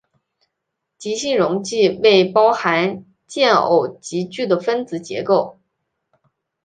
极性溶剂为包含键偶极矩的分子结构。